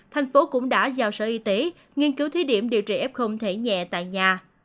thành phố cũng đã giao sở y tế nghiên cứu thí điểm điều trị f thể nhẹ tại nhà